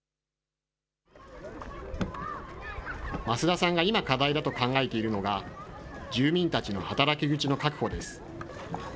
増田さんが今、課題だと考えているのが、住民たちの働き口の確保です。